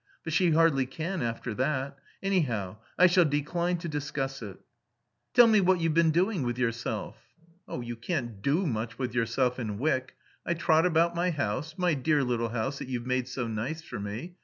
But she hardly can, after that. Anyhow, I shall decline to discuss it." "Tell me what you've been doing with yourself?" "You can't do much with yourself in Wyck. I trot about my house my dear little house that you've made so nice for me.